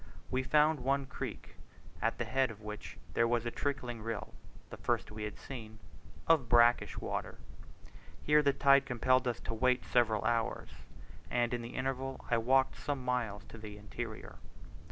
We found one creek, at the head of which there was a trickling rill (the first we had seen) of brackish water. Here the tide compelled us to wait several hours; and in the interval I walked some miles into the interior.